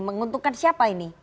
menguntungkan siapa ini